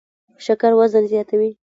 شکر وزن زیاتوي